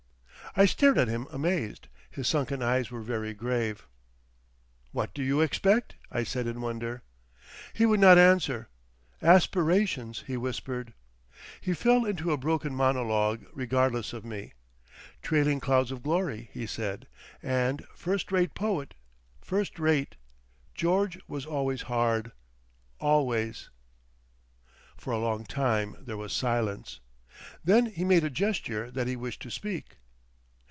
I stared at him amazed. His sunken eyes were very grave. "What do you expect?" I said in wonder. He would not answer. "Aspirations," he whispered. He fell into a broken monologue, regardless of me. "Trailing clouds of glory," he said, and "first rate poet, first rate....George was always hard. Always." For a long time there was silence. Then he made a gesture that he wished to speak.